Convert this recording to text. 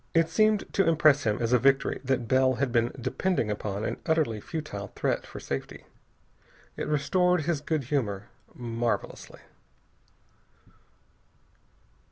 It seemed to impress him as a victory that Bell had been depending upon an utterly futile threat for safety. It restored his good humor marvelously.